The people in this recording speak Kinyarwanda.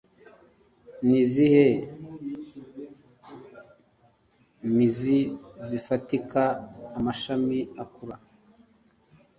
Ni izihe mizi zifatika amashami akura